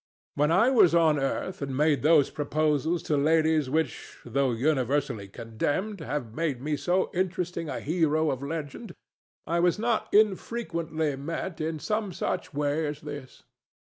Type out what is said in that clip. When I was on earth, and made those proposals to ladies which, though universally condemned, have made me so interesting a hero of legend, I was not infrequently met in some such way as this.